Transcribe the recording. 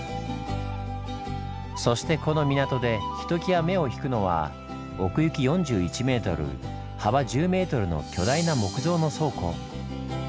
そしてこの港でひときわ目を引くのは奥行き４１ｍ幅１０ｍの巨大な木造の倉庫。